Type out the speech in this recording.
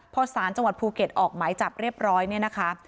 พอสารจังหวัดภูเก็ตออกหมายจับเรียบร้อยเนี่ยนะคะ